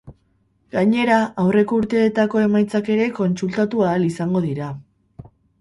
Gainera, aurreko urteetako emaitzak ere kontsultatu ahal izango dira.